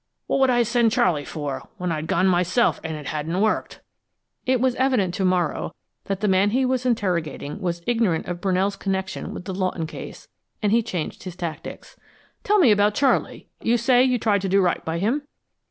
What would I send Charley for, when I'd gone myself an' it hadn't worked?" It was evident to Morrow that the man he was interrogating was ignorant of Brunell's connection with the Lawton case, and he changed his tactics. "Tell me about Charley. You say you tried to do right by him."